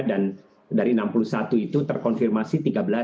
dan dari enam puluh satu itu terkonfirmasi tiga belas